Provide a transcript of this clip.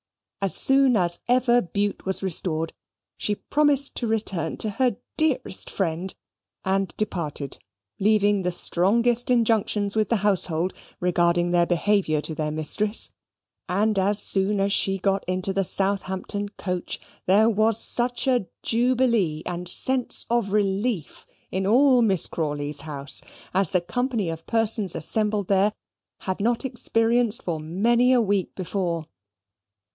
As soon as ever Bute was restored, she promised to return to her dearest friend, and departed, leaving the strongest injunctions with the household regarding their behaviour to their mistress; and as soon as she got into the Southampton coach, there was such a jubilee and sense of relief in all Miss Crawley's house, as the company of persons assembled there had not experienced for many a week before.